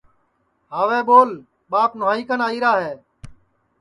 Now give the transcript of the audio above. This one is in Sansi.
ہاوے ٻول ٻاپ نواہئی کن آئیرا ہے